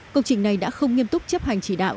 công trình này đã không nghiêm túc chấp hành chỉ đạo